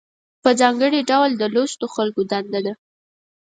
په ځانګړي ډول د لوستو خلکو دنده ده.